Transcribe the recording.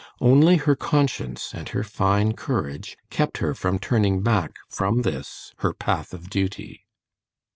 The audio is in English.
Only her conscience and her fine courage kept her from turning back from this, her path of duty.